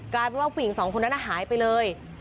กลายเป็นว่าผู้หญิงสองคนนั้นหายไปเลย